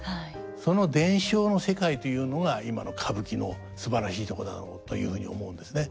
その伝承の世界というのが今の歌舞伎のすばらしいとこだろうというふうに思うんですね。